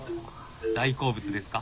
大好物ですか？